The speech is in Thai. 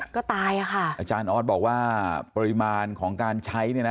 ก็ตายอะค่ะอาจารย์ออสบอกว่าปริมาณของการใช้เนี่ยนะ